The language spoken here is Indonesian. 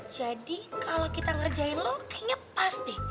jadi kalo kita ngerjain lo kayaknya pas deh